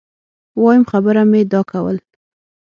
وایم خبره مي دا کول